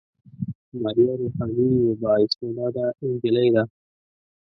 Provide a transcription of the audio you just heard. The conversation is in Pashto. ماريه روحاني يوه با استعداده نجلۍ ده.